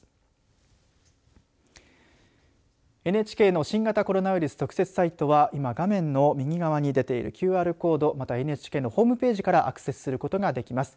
ＮＨＫの新型コロナウイルス特設サイトは今画面の右側に出ているＱＲコードまたは、ＮＨＫのホームページからアクセスすることができます。